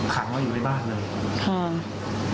ขังว่าอยู่ในบ้านเลย